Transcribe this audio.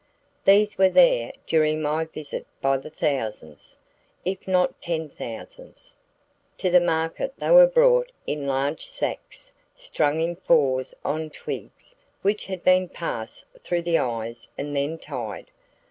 These were there during my visit by the thousands, if not ten thousands. To the market they were brought in large sacks, strung in fours on twigs which had been passed through the eyes and then tied.